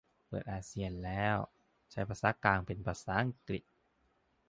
เปิดอาเซียนแล้ว ใช้ภาษากลางเป็นภาษาอังกฤษ